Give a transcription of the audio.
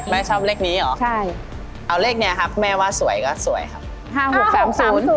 แม่ชอบเลขนี้หรอเอาเลขนี้ครับแม่ว่าสวยก็สวยครับ